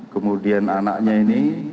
kemudian anaknya ini